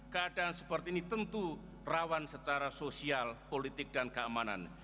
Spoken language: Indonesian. keadaan seperti ini tentu rawan secara sosial politik dan keamanan